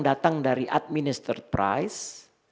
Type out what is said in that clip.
datang dari administer price